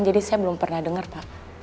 jadi saya belum pernah dengar pak